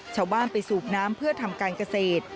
ชาวบ้านไปสูบน้ำเพื่อทำการเกษตร